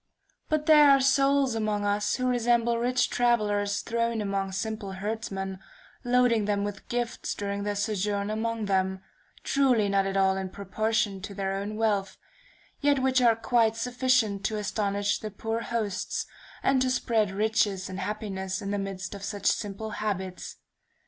But there are souls among us who resemble rich travelers thrown among simple herdsmen, loading them with gifts during their sojourn among them, truly not at all in proportion to their own wealth, yet which are quite sufficient to astonish the poor hosts, and to spread riches and happiness in the midst of such simple habits.